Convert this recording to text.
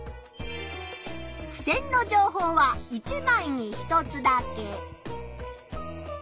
ふせんの情報は１枚に１つだけ。